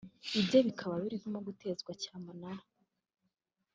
ibye bikaba birimo gutezwa cyamunara